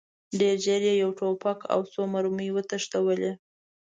ډېر ژر یې یو توپک او څو مرمۍ وتښتولې.